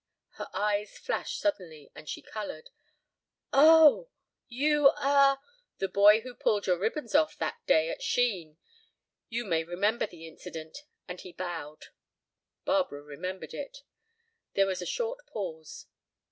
Her eyes flashed suddenly, and she colored. "Oh—you are—" "The boy who pulled your ribbons off—that day—at Sheen. You may remember the incident," and he bowed. Barbara remembered it. There was a short pause.